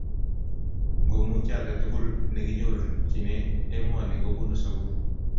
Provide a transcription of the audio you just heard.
ngomutye aketukul nekinyorchine emoni kobunuu sukul